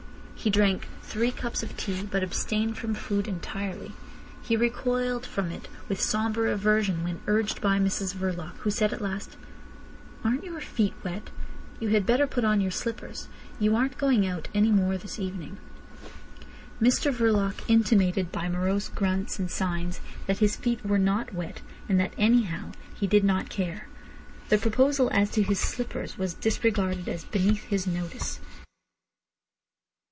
He drank three cups of tea, but abstained from food entirely. He recoiled from it with sombre aversion when urged by Mrs Verloc, who said at last: "Aren't your feet wet? You had better put on your slippers. You aren't going out any more this evening." Mr Verloc intimated by morose grunts and signs that his feet were not wet, and that anyhow he did not care. The proposal as to slippers was disregarded as beneath his notice.